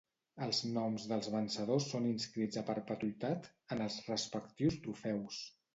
Els noms dels vencedors són inscrits a perpetuïtat en els respectius trofeus.